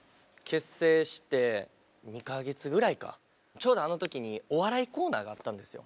ちょうどあの時にお笑いコーナーがあったんですよ。